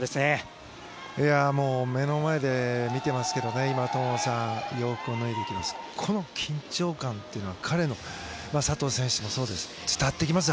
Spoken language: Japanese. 目の前で見てますけど今、友野さん洋服を脱いでいきましたがこの緊張感は佐藤選手もそうですけど伝わってきます。